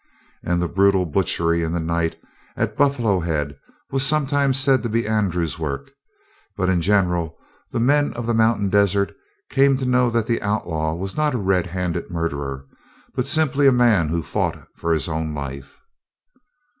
Also the brutal butchery in the night at Buffalo Head was sometimes said to be Andrew's work, but in general the men of the mountain desert came to know that the outlaw was not a red handed murderer, but simply a man who fought for his own life.